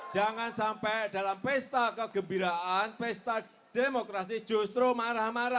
jangan sampai dalam pesta kegembiraan pesta demokrasi justru marah marah